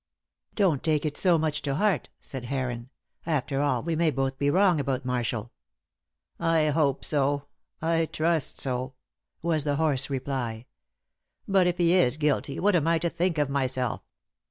"Don't take it so much to heart," said Heron. "After all, we may both be wrong about Marshall." "I hope so. I trust so." was the hoarse reply. "But if he is guilty, what am I to think of myself?